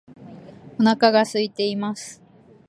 お腹が空いています